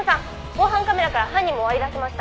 防犯カメラから犯人も割り出せました」